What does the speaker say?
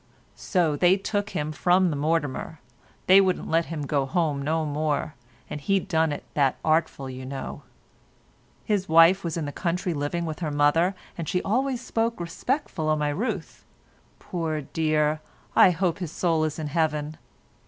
So they took him from the Mortimer; they wouldn't let him go home no more; and he done it that artful you know. His wife was in the country living with her mother, and she always spoke respectful o' my Rose. Poor dear, I hope his soul is in Heaven.